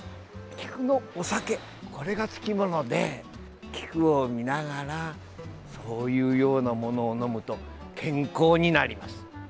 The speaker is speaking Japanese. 菊のお酒、これがつきもので菊を見ながらそういうようなものを飲むと健康になります。